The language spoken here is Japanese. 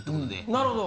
なるほど。